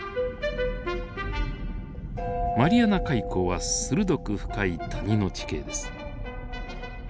マリアナ海溝は鋭く深い谷の地形です。